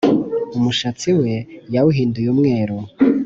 Umushatsi we yawuhinduye umweru